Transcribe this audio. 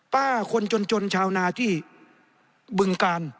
ป้าคนจนชาวนาที่บึงกาล